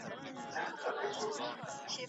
يوازې په تېرو وياړ مه کوئ.